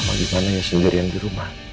mau gimana ya sendirian di rumah